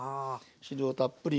汁をたっぷり。